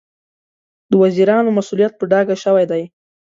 د وزیرانو مسوولیت په ډاګه شوی دی.